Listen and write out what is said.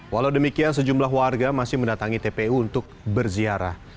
walau demikian sejumlah warga masih mendatangi tpu untuk berziarah